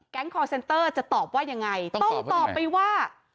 แก๊งคอร์เซ็นเตอร์จะตอบว่ายังไงต้องตอบให้ไหมต้องตอบไปว่าอ๋อ